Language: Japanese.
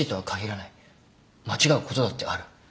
間違うことだってある。